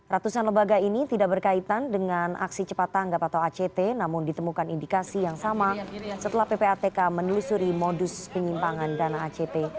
ratusan lebaga ini tidak berkaitan dengan aksi cepat tanggap atau act namun ditemukan indikasi yang sama setelah ppatk menelusuri modus penyimpangan dana acp